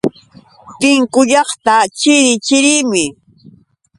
Tinku llaqta chiri chirimi.